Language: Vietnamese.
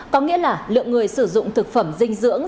có nghĩa là lượng người sử dụng thực phẩm dinh dưỡng